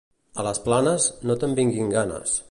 A les Planes, no te'n vinguin ganes.